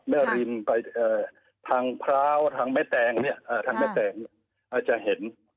แม่ริมไปทางพร้าวทางแม่แตงเนี่ยอาจจะเห็น